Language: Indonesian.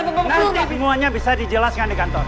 nanti bingungannya bisa dijelaskan di kantor